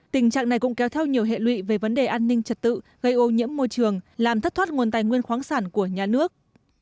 tình trạng này cũng kéo theo nhiều hệ lụy về vấn đề an ninh trật tự gây ô nhiễm môi trường làm thất thoát nguồn tài nguyên khoáng sản của nhà nước